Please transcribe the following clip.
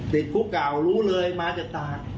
ติดกุ๊กเก่ารู้เลยมาจะตาก